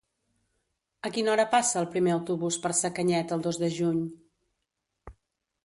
A quina hora passa el primer autobús per Sacanyet el dos de juny?